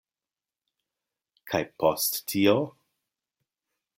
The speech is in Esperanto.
Kaj post tio?